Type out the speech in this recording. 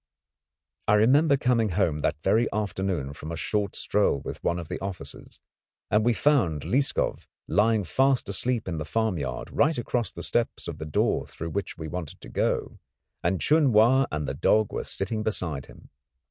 I remember coming home that very afternoon from a short stroll with one of the officers, and we found Lieskov lying fast asleep in the farmyard right across the steps of the door through which we wanted to go, and Chun Wa and the dog were sitting beside him.